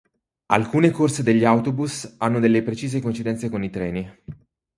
Alcune corse degli autobus hanno delle precise coincidenze con i treni.